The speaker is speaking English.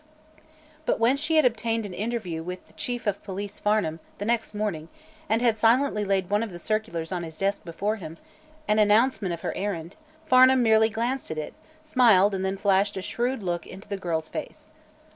But when she had obtained an interview with Chief of Police Farnum the next morning and had silently laid one of the circulars on his desk before him, an announcement of her errand, Farnum merely glanced at it, smiled and then flashed a shrewd look into the girl's face.